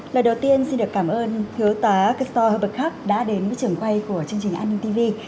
lời đầu tiên xin được cảm ơn thứ tá cơ sò hợp bực khắp đã đến với trưởng quay của chương trình an ninh tv